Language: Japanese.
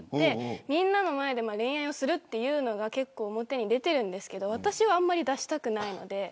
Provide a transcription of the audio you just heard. みんなの前で恋愛をするというのが結構表に出ているんですけど私は出したくないです。